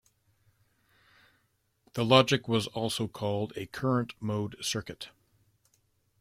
The logic was also called a current mode circuit.